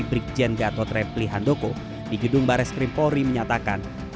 brikjen gatot repli handoko di gedung bares krim polri menyatakan